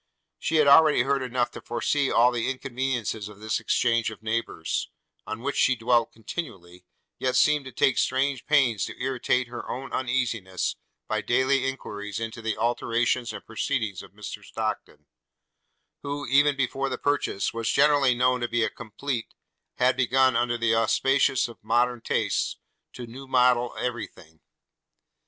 She had already heard enough to foresee all the inconveniences of this exchange of neighbours; on which she dwelt continually, yet seemed to take strange pains to irritate her own uneasiness by daily enquiries into the alterations and proceedings of Mr Stockton; who, even before the purchase was generally know to be complete, had begun, under the auspices of modern taste, to new model every thing.